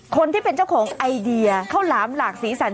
คนที่เป็นเจ้าของไอเดียข้าวหลามหลากสีสัน